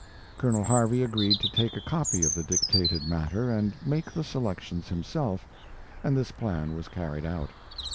Colonel Harvey agreed to take a copy of the dictated matter and make the selections himself, and this plan was carried out.